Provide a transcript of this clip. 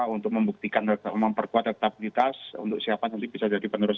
untuk membuktikan memperkuat elektabilitas untuk siapa nanti bisa jadi penerus